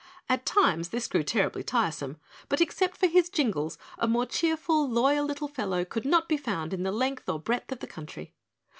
At times this grew terribly tiresome, but except for his jingles, a more cheerful loyal little fellow could not be found in the length or breadth of the country.